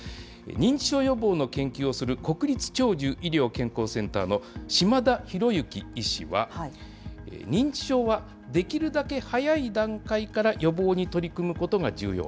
認知症予防の研究をする、国立長寿医療健康センターの島田裕之医師は、認知症はできるだけ早い段階から予防に取り組むことが重要。